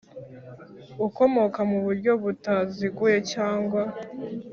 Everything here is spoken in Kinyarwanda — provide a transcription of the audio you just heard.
Ukomoka mu buryo butaziguye cyangwa